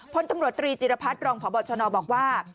พลตำรวจตรีจิรพัฒน์รองพบชนบอกว่า